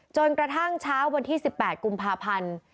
จนกระทั่งเช้าวันที่๑๘กุมภาพันธ์